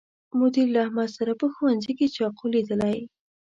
مدیر له احمد سره په ښوونځي کې چاقو لیدلی